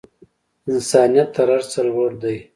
انسانیت تر هر څه لوړ دی.